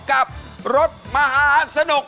กับรถมหาสนุก